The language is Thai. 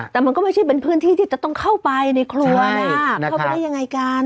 แต่มันก็ไม่ใช่เป็นพื้นที่ที่จะต้องเข้าไปในครัวนะเข้าไปได้ยังไงกัน